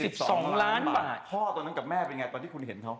พ่อตัวนั้นกับแม่เป็นอย่างไรตอนที่คุณเห็นเขา